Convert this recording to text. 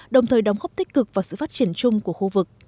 đồng thời đóng góp tích cực vào sự phát triển chung của khu vực